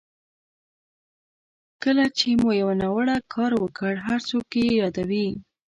کله چې مو یو ناوړه کار وکړ هر څوک یې یادوي.